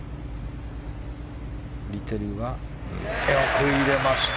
フリテリよく入れました。